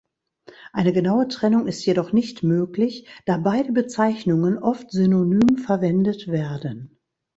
Eine genaue Trennung ist jedoch nicht möglich, da beide Bezeichnungen oft synonym verwendet werden.